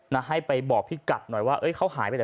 นะให้ไปบอกพี่กัดหน่อยว่าเอ้ยเขาหายไปไหน